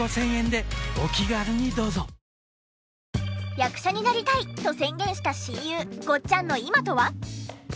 役者になりたいと宣言した親友ごっちゃんの今とは？